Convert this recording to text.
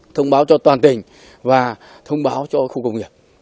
thông báo cho toàn tỉnh và thông báo cho khu công nghiệp